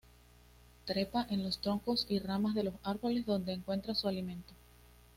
Trepa en los troncos y ramas de los árboles, donde encuentra su alimento.